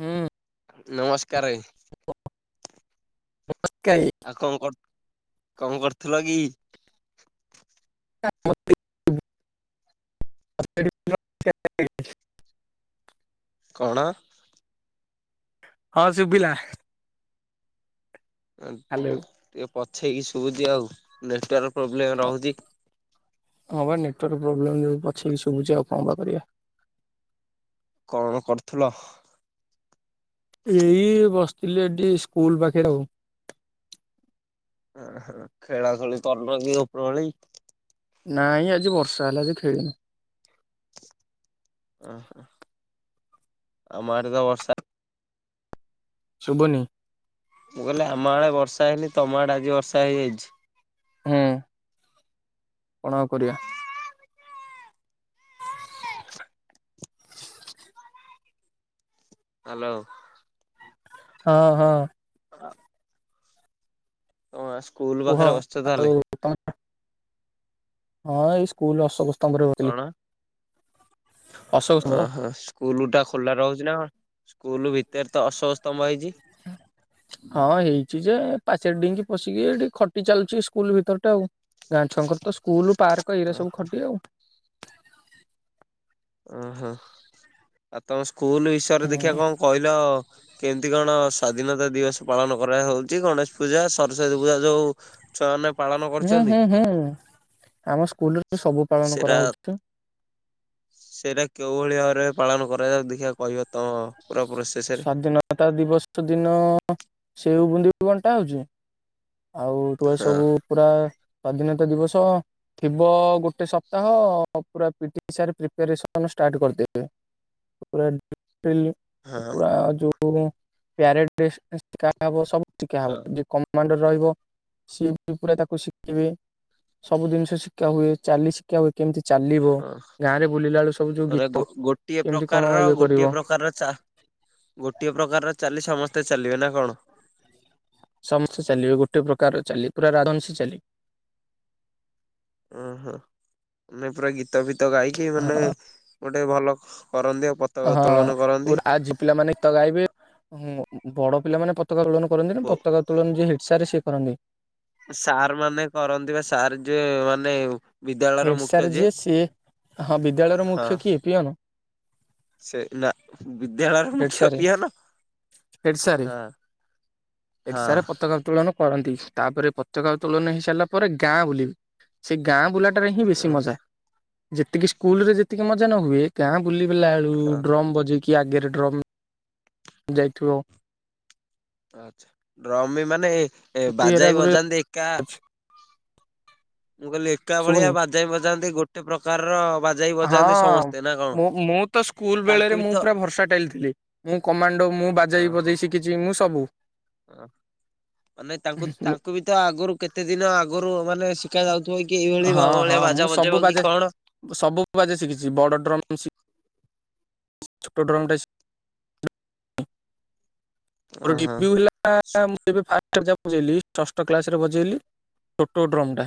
ହୁଁ। ନମସ୍କାର । କାଇଁ ଆଉ କଣ କର, କଣ କରୁଥିଲ କି? [unintelligible] [unintelligible] କଣ? ହଁ ଶୁଭିଲା । ଟିକେ ପଛେଇକି ଶୁବୁଛି ଆଉ ନେଟୱାର୍କ ପ୍ରୋବ୍ଲେମ ରହୁଛି। ହଁ ବା [unintelligible] ପଛେଇକି ଶୁଭୁ ଆଉ କଣ ବା କରିବା । କଣ କରୁଥିଲ? ଏଇ ବସିଥିଲି ଏଠି, ସ୍କୁଲ ପାଖ ଆଉ ଖେଳା ଖେଳି କରୁନ କି, ଉପରଓଳି । ନାଇଁ ଆଜି ବର୍ଷା ହେଲା ଆଜି ଖେଳିନି । ଓହ, ଆମ ଆଡେ ତ ବର୍ଷା। ଶୁଭୁନି । ମୁଁ କହିଲି ଆମ ଆଡ଼େ ବର୍ଷା ହେଇନି, ତମ ଆଡେ ଆଜି ବର୍ଷା ହେଇଯାଇଛି । ହୁଁ । କଣ ଆଉ କରିଆ । ହାଲୋ । ହଁ ହଁ । ହଁ [unintelligible] ହ ସ୍କୁଲ କୁହ ପାଖରେ ବସିଛ ଆଉ ତାହେଲେ ତମେ ହଁ ଏଇ ସ୍କୁଲ ଅଶୋକ ସ୍ତମ୍ଭରେ ରହୁଥିଲି। କଣ? ଓହୋ ସ୍କୁଲ ଟା ଖୋଲା ରହୁଛି ନା କଣ? ସ୍କୁଲ ଭିତରେ ତ ଅଶୋକ ସ୍ତମ୍ଭ ହେଇଛି । [inaudible] ହଁ ହେଇଛି ଯେ, ପାଚେରି ଡେଇଙ୍କି ପଶିକି ଏଠି ଖଟି ଚାଲୁଛି ସ୍କୁଲ ଭିତର ଟା ଆଉ ଗାଁ ଛୁଆଙ୍କର ତ ସ୍କୁଲ, ପାର୍କ, ଏଇରା ସବୁ ଖଟିି ଆଉ ଓହୋ ଆଉ ତମ ସ୍କୁଲ ବିଷୟରେ ଦେଖିବା ହୁଁ କଣ କହିଲ। କେମିତି କଣ ସ୍ଵାଧୀନତା ଦିବସ ପାଳନ କରା ହଉଛି ଗଣେଶ ପୂଜା ସରସ୍ଵତୀ ପୂଜା ଯୋଉ ଛୁଆ ମାନେ ହୁଁ ହୁଁ ହୁଁ। ଆମ ସ୍କୁଲରେ ସବୁ ପାଳନ ସେଟା କରାହଉଛି ତ। ସେଇଟା କୋଉ ଭଳି ଭାବରେ ପାଳନ କରାଯାଉ ଦେଖିବା କହିବ ତମ ପୁରା ପ୍ରୋସେସରେ ସ୍ଵାଧୀନତା ଦିବସ ଦିନ ସେଉ ବୁନ୍ଦୀ ବଣ୍ଟା ହଉଛି ଆଉ ହଁ ସବୁ ପୁରା ସ୍ଵାଧୀନତା ଦିବସ ଥିବ ଗୋଟେ ସପ୍ତାହ ପୁରା ପିଟି ସାର୍ ପ୍ରିପାରେସନ୍ ଷ୍ଟାର୍ଟ କରିଦେବେ। ଉପରେ [unintelligible] ହଁ ପୁରା ଯୋଉ ପ୍ୟାରେଡ ଶିଖା ହବ ସବୁ ଶିଖା ହଁ ହବ କମାଣ୍ଡ ରହିବ ସିଏ ବି ପୁରା ତାକୁ ଶିଖିବେ ସବୁ ଜିନିଷ ଶିକ୍ଷା ହୁଏ ଚାଲି ଶିକ୍ଷା ହୁଏ। କେମିତି ଚାଲିବ ଗାଁ ରେ ବୁଲିଲା ବେଳୁ ସବୁ ଯୋଉ ମାନେ ଗୋ ଗୀତ ଗୋଟିଏ କେମିତି କଣ ପ୍ରକାରର ଇଏ ଗୋଟିଏ କରିବ। ପ୍ରକାରର ଚା ଗୋଟିଏ ପ୍ରକାରର ଚାଲି ସମସ୍ତେ ଚାଲିବେ ନା କଣ? ସମସ୍ତେ ଚାଲିବେ ଗୋଟେ ପ୍ରକାର ଚାଲି ପୁରା ରାଜହଂଶୀ ଚାଲି। ଓହୋ ମାନେ ପୁରା ଗୀତ ଫିତ ଗାଇକି ମାନେ ହଁ ଗୋଟେ ଭଲ କରନ୍ତି ଆଉ ପତାକା ହଁ ଉତ୍ତୋଳନ କରନ୍ତି। ପ ଆଜି ପିଲାମାନେ ଗୀତ ଗାଇବେ ଉଁ। ବଡ ପିଲାମାନେ ପତାକା ଉତ୍ତଳନ କରନ୍ତି ନି ପତାକା ଉତ୍ତଳନ ଯିଏ ହେଡେ ସାରେ ସିଏ କରନ୍ତି। ସାର୍ ମାନେ କରନ୍ତି ବା ସାର୍ ଯେ ମାନେ ବିଦ୍ୟାଳୟର ହେଡ୍ ମୁଖ୍ୟ ସାର୍ ଯିଏ ସିଏ ହଁ ବିଦ୍ୟାଳୟର ହଁ। ମୁଖ୍ୟ କିଏ ପିଅନ? ସେ ନା ବି ଦେଳର ହେଡ୍ ମୁଖ୍ୟ ସାରେ ପିଅନ ହଁ। ଏଠି ସାରେ ହଁ ପତାକା ଉତ୍ତଳନ କରନ୍ତି ତାପରେ ପତକା ଉତ୍ତୋଳନ ହେଇସାରିଲା ପରେ ଗାଁ ବୁଲିବେ ସେ ଗାଁ ବୁଲା ହିଁ ବେଶି ମଜା ଯେତିକି ସ୍କୁଲ ରେ ଯେତିକି ମଜା ନ ହୁଏ ଗାଁ ବୁଲି ଗଲା ବେଳୁ ହଁ। ଡ୍ରମ୍ ବଜେଇକି ଆଗରେ ଡ୍ରମ୍ ଯାଇଥିବ। ଆଛା ଡ୍ରମ ମାନେ ଏରା ବାଜାଇ ଗୁରେ ବଜାନ୍ତି ଏକା [inaudible] ମୁଁ କହିଲି ଏକା ଭଳିଆ ଶୁଭୁନି। ବାଜାଇ ବଜାନ୍ତି ଗୋଟେ ପ୍ରକାରର ବାଜାଇ ବଜାନ୍ତି ହଁ ସମସ୍ତେ ନା କଣ? ମୁଁ ମୁଁ ତ ସ୍କୁଲ ତାଙ୍କୁ ବେଳେରେ ବି ମୁଁ ତ ପୁରା ଭରସା ଟାଇଲି ଥିଲି ମୁଁ କମାଣ୍ଡ ମୁଁ ବାଜେଇ ବଜେଇ ଶିଖିଛି ମୁଁ ସବୁ। ହ ମାନେ ତାଙ୍କୁ ତାଙ୍କୁ ବି ତ ଆଗରୁ କେତେ ଦିନ ଆଗରୁ ମାନେ ଶିଖ ଯାଉ ହଁ ହଁ ମୁଁ ସବୁ ବାଜେ କଣ? ସବୁ ବାଜେ ଶିଖିଛି ବଡ ଡ୍ରମ୍ ଶିଖି ଛୋଟ ଡ୍ରମଟେ ମୋ ଓହୋ ଡିବ୍ୟୁ ହେଲା ଲା ଲା ମୁଁ ଯେବେ ବଜେଇଲି ସଷ୍ଟ କ୍ଲାସ ରେ ବଜେଇଲି ଛୋଟ ଡ୍ରମ ଟା।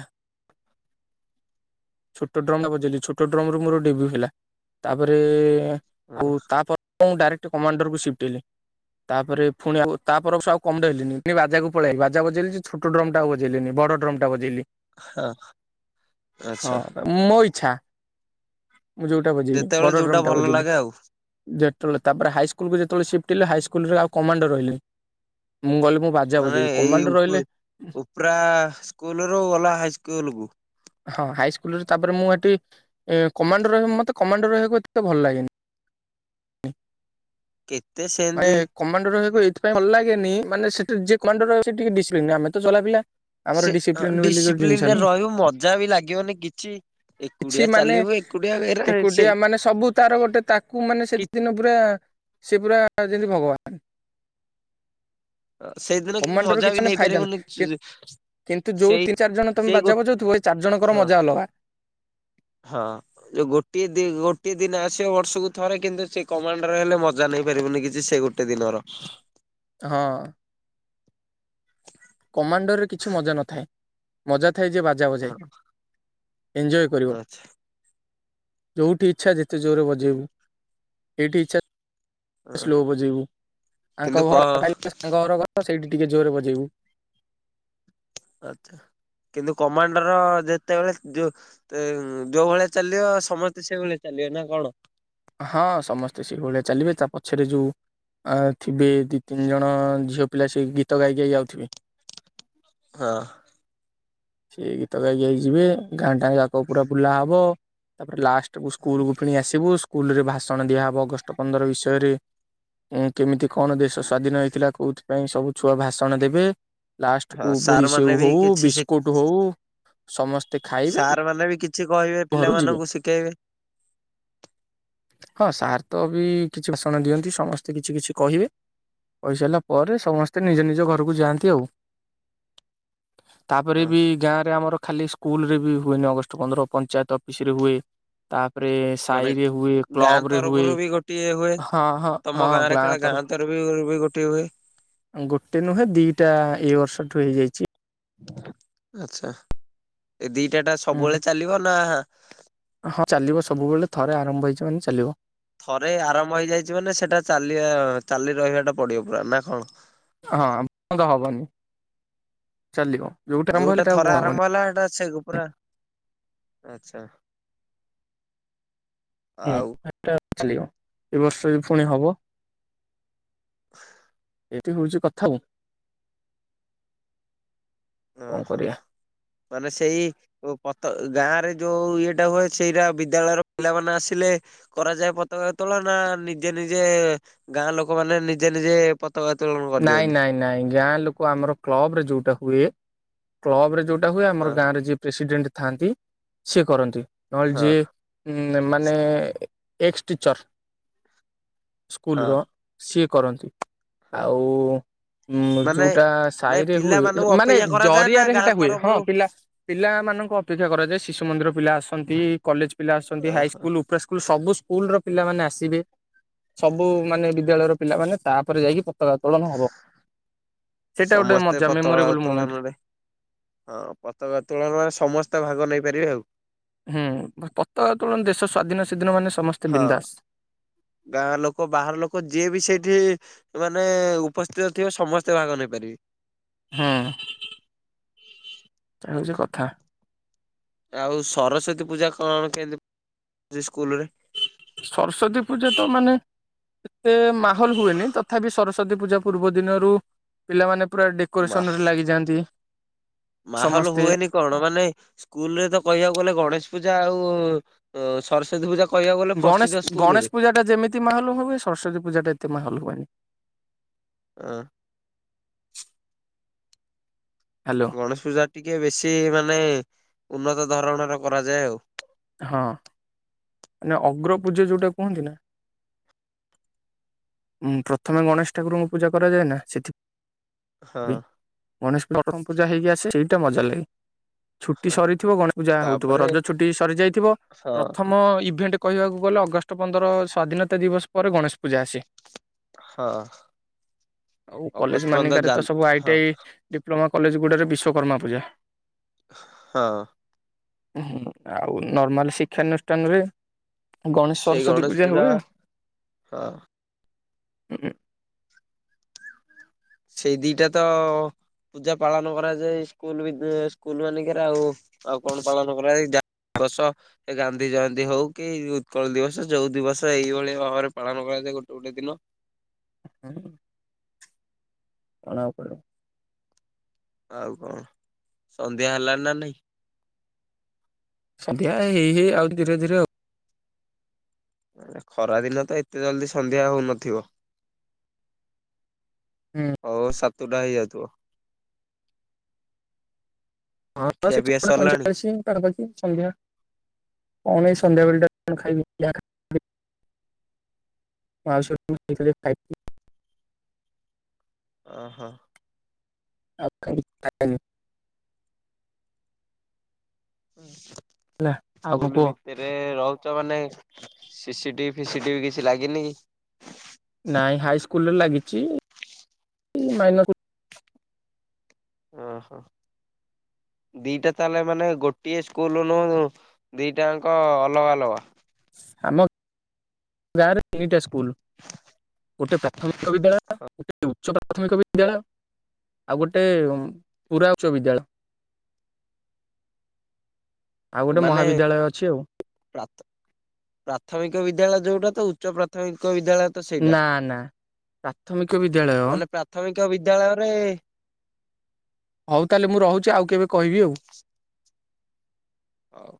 ଛୋଟ ଡ୍ରମ୍ ବଜେଇି ଛୋଟ ଡ୍ରମ ରୁ ମୋର ଡେବ୍ୟୁ ହେଲା ତାପରେ ହଁ ଆଉ ତାପରକୁ ମୁଁ ଡାଇରେକ୍ଟ କମାଣ୍ଡରକୁ ସିଫ୍ଟ ହେଲି ତାପରେ ପୁଣିଆଉ ତାପର ବର୍ଷ ଆଉ କମଡେଇଲିନି ପୁଣି ବାଜାକୁ ପଳେଆଇଲି ବାଜ ବଜେଇଲିଯେ ଛୋଟ ଡ୍ରମ୍ ଟା ଆଉ ବଜେଇଲିିନି ବଡ ଡ୍ରମ ଟା ବଜେଇଲି। ହଁ ଆଛା। ଆଛା ମୁଁ ଯୋଉଁଟା ବଜେଇବି ଯେତେବେଳେ ବଡ଼ ଯୋଉଟା ଡ୍ରମ ଟା ଭଲ ବଜେଇିଲି। ଲାଗେ ଆଉ। ତବେଳେ ତାପରେ ହାଇସ୍କୁଲକୁ ଯେତେବେଳେ ସିପ୍ଟ ହେଲି ହାଇସ୍କୁଲ ରେ ଆଉ କମାଣ୍ଡର ରହିଲେନି। ମାନେ ଏଇ ଉପ ଉପ୍ରା ସ୍କୁଲ ରୁ ଗଲ ହାଇସ୍କୁଲ କୁ ହଁ ହାଇସ୍କୁଲରେ ତାପରେ ମୁଁ ସେଠି କମାଣ୍ଡର ରହିବ ମତେ କମାଣ୍ଡୋ ରହିବାକୁ ଏତେ ଭଲ ଲାଗେନି। କେତେ ସେମିତି ମାନେ କମାଣ୍ଡ ରହିବା ସେଥି ପାଇଁ ଭଲ ଲାଗେନ ମାନେ ସେଠି ଯେ କମାଣ୍ଡର ରହିବ ସେ ଟିକେ ଡିସିପ୍ଲିନ ଆମେ ତ ଚଗଲା ପିଲା। ଆମର ସେ ଡିସିପ୍ଲିନ ବୋଲି ଗୋଟେ ଜିନିଷ ଡିସିପ୍ଲିନରେ ନାହିଁ ରହିବ ମଜା ବି ଲାଗିବନି କିଛି କିଛି ଏକୁଟିଆ ମାନେ ଚାଲିବୁ ଏକୁଟିଆ ଏରା ସେ ଏକୁଟିଆ ମାନେ ସବୁ ତାର ଗୋଟେ ତାକୁ ମାନେ ସେ କି ସେ ଦିନ ପୁରା ସେ ପୁରା ଯେମିତି ଭଗବାନ। ସେଇଦିନ କିଛି କମାଣ୍ଡର ମଜା ବି ମାନେ ଫାଇଦା ନେଇପାରିବୁନି ନାହିଁ। ଚି କିନ୍ତୁ ଯୋଉ ତିନି ଚାରି ଜଣ ତମେ ବାଜା ବାଜାଉଥିବ ଏଇ ଚାରି ଜଣଙ୍କର ହଁ ମଜା ଅଲଗା। ହଁ ଯୋଉ ଗୋଟିଏ ଦି ଗୋଟିଏ ଦିନ ଆସିବ ବର୍ଷକୁ ଥରେ କିନ୍ତୁ ସେ କମାଣ୍ଡରେ ହେଲେ ମଜା ନା ନେଇପାରିବୁନି କିଛି ସେ ଗୋଟେ ଦିନର। ହଁ କମାଣ୍ଡରରେ କିଛି ମଜା ନଥାଏ। ମଜା ଥାଏ ଯେ ବାଜା ବଜାଏ। ହଁ ଏଞ୍ଜୟ କରିବ। ଆଚ୍ଛା ଯୋଉଠି ଇଚ୍ଛା ଯେତେ ଜୋରରେ ବଜେଇବୁ। ସେଇଠି ଇଚ୍ଛା ହଁ ସ୍ଲୋ ବଜେଇବୁ, ଆଙ୍କ କିନ୍ତୁ ଘର କ [unintelligible] ହଁ ସେଇଠି ଟିକେ ଜୋରେ ବଜେଇବୁ। ଆଚ୍ଛା। କିନ୍ତୁ କମାଣ୍ଡର ଯେତେବେଳେ ଯୋଉ ଉଁ ଯୋଉ ଭଳିଆ ଚାଲିବ, ସମସ୍ତେ ସେଇଭଳିଆ ଚାଲି ନିଏ ନା କଣ? ହଁ ସମସ୍ତେ ସେଇଭଳିଆ ଚାଲିବେ, ତା ପଛରେ ଯୋଉ ଆ ଥିବେ ଦି ତିନି ଜଣ ଝିଅ ପିଲା ସେଇ ଗୀତ ଗାଇ ଗାଇ ଯାଉଥିବେ। ହଁ। ସେ ଗୀତ ଗାଇ ଗାଇ ଯିବେ, ଗାଁ ଟା ଯାକ ପୁରା ବୁଲା ହବ ତାପରେ ଲାଷ୍ଟ ସ୍କୁଲକୁୁ ଫୁଣି ଆସିବୁ, ସ୍କୁଲରେ ଭାଷଣ ଦିଆହବ ଅଗଷ୍ଟ ପନ୍ଦର ବିଷୟରେ ଏ କେମିତି କଣ ଦେଶ ସ୍ଵାଧୀନ ହେଇଥିଲା କୋଉଥିପାଇଁ, ସବୁ ଛୁଆ ଭାଷଣ ଦେବେ ହଁ ଲାଷ୍ଟକୁ ବୁନ୍ଦି ସାର୍ ସେଉ ମାନେ ବି ହଉ, କିଛି ଶି ବିସ୍କୁଟ ହଉ, ସମସ୍ତ ସାର୍ ମାନେ ବି କିଛି କହିବେ ଯିବେ। ପିଲାମାନଙ୍କୁ ଶିକେଇବେ। ହଁ ସାର୍ ତ ବି କିଛି ଭାଷଣ ଦିଅନ୍ତି ସମସ୍ତେ କିଛି କିଛି କହିବେ, କହିସାରିଲା ପରେ ସମସ୍ତେ ସ୍ତେ ନିଜ ନିଜ ଘରକୁ ଯାଆନ୍ତି ଆଉ। ତାପରେ ହଁ ବି ଗାଁରେ ଆମର ଖାଲି ସ୍କୁଲରେ ବି ହୁଏନି ଅଗଷ୍ଟ ପନ୍ଦର ପଞ୍ଚାୟତ ଅଫିସରେ ହୁଏ। ତାପ ପରେ ମାନେ ସାହିରେ ହୁଏ, ଗାଁ କ୍ଲବରେ ହୁଏ, ତରଫରୁ ବି ଗୋଟିଏ ହୁଏ। ହଁ ହଁ ତମ ହଁ। ଗାଁରେ କାଳେ ଗାଁ ତରଫରୁ [unintelligible] ଗୋଟିଏ ହୁଏ। ଗୋଟେ ନୁହେଁ ଦିଟା ଏଇ ବର୍ଷ ଠୁ ହେଇଯାଇଛି। ଆଚ୍ଛା। ଏ ଦିଟା ଟା ହୁଁ। ସବୁବେଳେ ଚାଲିବ ନା ହଁ ଚାଲିବ ସବୁବେଳେ ଥରେ ଆରମ୍ଭ ହେଇଛି ମାନେ ଚାଲିବ। ଥରେ ଆରମ୍ଭ ହେଇଯାଇଛି ମାନେ ସେଟା ଚାଲିଆ ଚାଲି ରହିବାଟା ପଡିବ ପୁରା ନା କଣ? ହଁ ହବନି ଚାଲିବ। ଆରମ୍ଭ ହେଲେ ଯୋଉଟା ସେଟା ଆଉ ଥରେ ବନ୍ଦ ହବନି। ଆରମ୍ଭ ହେଲା ହେଟା ସେଗ ପୁରା ଆଚ୍ଛା। ହୁଁ। ଆଉ ଏଟା ଚାଲିବ। ଏ ବର୍ଷ ବି ଫୁଣି ହବ। [inaudible] ଏଠି ହଉଛି କଥା ଆଉ। କଣ ଓହୋ। କରିବା ମାନେ ସେଇ ପତ ଗାଁରେ ଯୋଉ ଇଏଟା ହୁଏ ସେଇରା ବିଦ୍ୟାଳୟର ପିଲାମାନେ ଆସିଲେ କରାଯାଏ ପତାକା ଉତ୍ତୋଳନ ନା, ନିଜେ ନି ନିଜେ ଗାଁ ଲୋକମାନେ ନିଜେ ନିଜେ ପ ନାଇଁ ନାଇଁ ନାଇଁ। ଗାଁ ଲୋକ ଆମର କ୍ଲବରେ ଯୋଉଟା ହୁଏ, କ୍ଲବରେ ଯୋଉ ଟା ହୁଏ ଆମର ହଁ ଗାଁରେ ଯିଏ ପ୍ରେସିଡେଣ୍ଟ ଥାଆନ୍ତି ସିଏ କରନ୍ତି। ନହେଲେ ହଁ ଯିଏ ଉମ୍ ମାନେ ଏକ୍ସ ଟିଚର ହଁ ସ୍କୁଲର ସିଏ କରନ୍ତି। ହଁ ଆଉ ଉଁ ମାନେ ଯୋଉଟା ନାଇଁ ସାଇରେ ହୁଏ, ପିଲାମାନଙ୍କୁ ମାନେ ଅପେକ୍ଷା କରାଯାଏ ନା ଜରିଆରେ ଗାଁ ହେଟା ହୁଏ ହଁ ତରଫରୁ ପିଲା ପିଲା ମା ନଙ୍କ ଅପେକ୍ଷା କରାଯାଏ ଶିଶୁ ମନ୍ଦିର ପିଲା ଆସନ୍ତି, କଲେଜ ପିଲା ଆସନ୍ତି, ଓହୋ ହାଇସ୍କୁଲ, ଉପ୍ରା ସ୍କୁଲ୍, ସବୁ ସ୍କୁଲ ର ପିଲାମାନେ ଆସିବେ, ସବୁ ମାନେ ବିଦ୍ୟାଳୟର ପିଲାମାନେ ତାପରେ ଯାଇକି ପତାକା ଉତ୍ତୋଳନ ହବ। ସେଇଟା ଗୋଟେ ସମସ୍ତେ ମଜା ପତକା ମେମୋରେବୁଲ ମୋମେଣ୍ଟ। ଉତ୍ତୋଳନରେ ହଁ ପତାକା ଉତ୍ତୋଳନରେ ସମସ୍ତେ ଭାଗ ନେଇପାରିବେ ଆଉ। ହୁଁ ପ-ପତକା ଉତ୍ତୋଳନ ଦେଶ ସ୍ଵାଧୀନ ସେଦିନ ମାନେ ସମସ୍ତେ ହଁ। ବିନ୍ଦାସ। ଗାଁ ଲୋକ, ବାହାର ଲୋକ ଯିଏ ବି ସେଇଠି ମାନେ ଉପସ୍ଥିତ ଥିବେ, ସମସ୍ତେ ଭାଗ ନେଇପାରିବେ। ହଁ। [inaudible] ତାହା ହଉଚି କଥା। ଆଉ ସରସ୍ଵତୀ ପୂଜା କଣ କେମିତି ସ୍କୁଲ ରେ ସରସ୍ଵତୀ ପୂଜା ତ ମାନେ ଏତେ ମାହୋଲ ହୁଏନି ତଥାପି ସରସ୍ଵତୀ ପୂଜା ପୂର୍ବ ଦିନରୁ ପିଲାମାନେ ପୁରା ମାହ ଡେକୋରେସନ ରେ ଲାଗିଯାଆନ୍ତି। ମାହୋଲ ସମସ୍ତେ ହୁଏନି କଣ ମାନେ ସ୍କୁଲରେ ତ କହିବାକୁ ଗଲେ ଗଣେଶ ପୂଜା ଆଉ ଉ ସରସ୍ଵତୀ ପୂଜା। କହିବାକୁ ଗଲେ ପ୍ରସିଦ୍ଧ ଗଣେଶ ସ୍କୁଲରେ। ଗଣେଶ ପୂଜାଟା ଯେମିତି ମାହଲ ହୁଏ ସରସ୍ଵତୀ ପୂଜାଟା ଏତେ ମାହଲ ହୁଏନି। ଏ ହ୍ୟାଲୋ ଗଣେଶ ପୂଜା ଟିକେ ବେଶୀ ମାନେ ଉନ୍ନତ ଧରଣର କରାଯାଏ ଆଉ। ହଁ ମ ଅଗ୍ର ପୂଜା ଯୋଉଟା କୁହନ୍ତି ନା। ଉଁ ପ୍ରଥମେ ଗଣେଶ ଠାକୁରଙ୍କୁ ପୂଜା କରାଯାଏ ନା ସେଥି ପାଇଁ। ହଁ ଗଣେଶ ପ୍ରଥମ ପୂଜା ହେଇକି ଆସେ ସେଇଟା ମଜା ଲାଗେ। ଛୁଟି ହଁ ସରିଥିବ ଗଣେଶ ପୂଜା ହଉଥିବ ତାପରେ ରଜ ଛୁଟି ସରି ଯାଇଥିବ ହଁ ପ୍ରଥମ ଇଭି ସେମତି କହିବାକୁ ଗଲେ ଅଗଷ୍ଟ ପନ୍ଦର ସ୍ଵାଧୀନତା ଦିବସ ପରେ ଗଣେଶ ପୂଜା ଆସେ। ହଁ ଆଉ କଲେଜ ଅଗଷ୍ଟ ପନ୍ଦର ମାନିଙ୍କରେ ତ ଜାନ ସବୁ ଆଇ ଟି ହଁ ଆଇ ଡିପ୍ଲମା କଲେଜ ଗୁଡ଼ାରେ ବିଶ୍ୱକର୍ମା ପୂଜା। ହଁ। ହୁଁ ଆଉ ନର୍ମାଲ ଶିକ୍ଷାନୁଷ୍ଠାନରେ ଗଣେଶ ସେଇ ସରସ୍ଵତୀ ଗଣେଶ ପୂଜା ହୁଏ ଆ। ହଁ। [inaudible] ସେଇ ଦିଟା ତ ପୂଜା ପାଳନ କରାଯାଏ ସ୍କୁଲ ବି ସ୍କୁଲ ମାନଙ୍କରେ ଆଉ ଆଉ କଣ ପାଳନ କରାଯାଏ। ଦସ ଏଇ ଗାନ୍ଧୀ ଜୟନ୍ତୀ ହଉ କି ଉତ୍କଳ ଦିବସ ଯୋଉ ଦିବସ ଏଇଭଳିଆ ଭାବରେ ପାଳନ କରାଯ ଗୋଟେ ଗୋଟେ ଦିନ ହୁଁ। [unintelligible] ପଡ଼ିବ। ଆଉ କଣ ସନ୍ଧ୍ୟା ହେଲାଣି ନା ନାଇଁ? ସନ୍ଧ୍ୟା ହେଇ ହେଇ ଆଉ ଧୀରେ ଧୀରେ ହ ଖରା ଦିନ ତ ଏତେ ଜଲଦି ସନ୍ଧ୍ୟା ହଉନଥିବ। ହୁଁ ହଉ ସାତଟା ହେଇଯାଉଥିବ। ହଁ ବା ଖିଆ ସେ ଛ ପିଆ ଟା ପଇଁ ସରିଲାଣି ଚାଳିଶ ପାଖାପାଖି ସନ୍ଧ୍ୟା, କଣ ହେଲା କି ସନ୍ଧ୍ୟାବେଳେଟା ଖାଇବି, ଯାହା ଖାଇ ମାଉସି [unintelligible] ଯାହା ଖାଇ ଓ ହୋ। ଆଫଗାନିସ୍ତାନ। ହଁ ହେଲା ଆଉ କଣ ସ୍କୁଲ କୁହ ଭିତରେ ରହୁ ଚ ମାନେ ସିସି ଟିଭି ଫିସି ଟିଭି କିଛି ଲାଗିନି କି? ନାଇଁ ହାଇ ସ୍କୁଲରେ ଲାଗିଚି ମାଇନର୍ ଓ ହୋ। ଦିଟା ତାହେଲେ ମାନେ ଗୋଟିଏ ସ୍କୁଲ ନୁହ ଦିଟାଙ୍କ ଅଲଗା ଅଲଗା। ଆମ ଗାଁରେ ତିନିଟା ସ୍କୁଲ ଗୋଟେ ପ୍ରାଥମିକ ବିଦ୍ୟାଳୟ ଗୋଟେ ଉଚ ପ୍ରାଥ ପ୍ରାଥମିକ ବିଦ୍ୟାଳୟ ଆଉ ଗୋଟେ ପୁରା ଉଚ୍ଚ ବିଦ୍ୟାଳୟ [inaudible] ଆଉ ଗୋଟେ ମାନେ ମହାବିଦ୍ୟାଳୟ ଅଛି ଆଉ ପ୍ରାଥ ପ୍ରାଥମିକ ବିଦ୍ୟାଳୟ ଯୋଉଟା ତ ଉ ଉଚ୍ଚ ପ୍ରାଥମିକ ବିଦ୍ୟାଳୟ ତ ସେଇଟା ନା ନା ପ୍ରାଥମିକ ବିଦ୍ୟାଳୟ ମାନେ ପ୍ରାଥମିକ ବିଦ୍ୟାଳୟରେ ହଉ ତାହେଲେ ମୁଁ ରହୁଚି ଆଉ କେବେ କହିବି ଆଉ। ଆଉ-